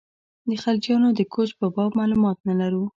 د خلجیانو د کوچ په باب معلومات نه لرو.